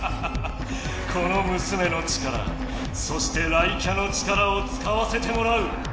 このむすめの力そして雷キャの力を使わせてもらう！